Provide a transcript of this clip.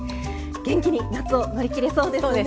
元気に夏を乗り切れそうですね。